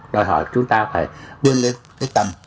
đòi hỏi chúng ta phải vươn lên tích tầm